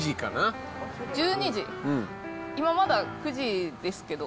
今、まだ９時ですけど。